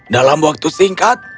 dalam waktu singkat